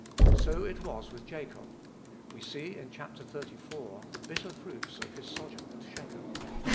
So it was with Jacob. We see, in Chap. xxxiv., the bitter fruits of his sojourn at Shechem.